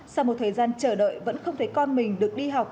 sau một thời gian chờ đợi vẫn không thấy con mình được đi học